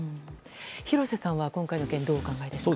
廣瀬さんは今回の件、どうお考えですか？